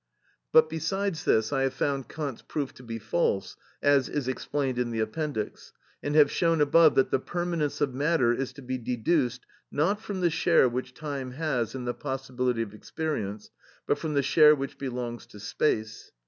But besides this, I have found Kant's proof to be false (as is explained in the Appendix), and have shown above that the permanence of matter is to be deduced, not from the share which time has in the possibility of experience, but from the share which belongs to space.